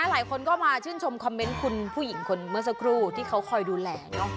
หลายคนก็มาชื่นชมคอมเมนต์คุณผู้หญิงคนเมื่อสักครู่ที่เขาคอยดูแลเนอะ